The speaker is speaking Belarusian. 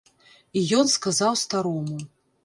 І ён сказаў старому.